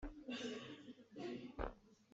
Sazuk nih a sulh.